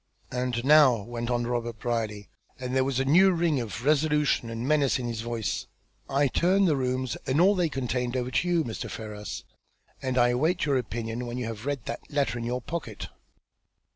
"And now," went on Robert Brierly, and there was a new ring of resolution and menace in his voice. "I turn the rooms and all they contain over to you, Mr. Ferrars, and I await your opinion, when you have read that letter in your pocket."